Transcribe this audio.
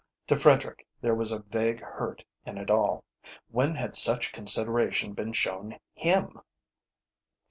To Frederick there was a vague hurt in it all. When had such consideration been shown him?